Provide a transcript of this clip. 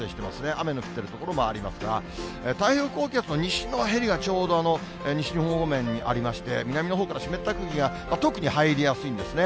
雨の降ってる所もありますが、太平洋高気圧の西のへりがちょうど西日本方面にありまして、南のほうから湿った空気が、特に入りやすいんですね。